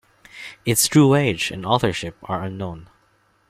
Its true age and authorship are unknown.